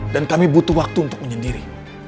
dan kami butuh waktu untuk menyendiri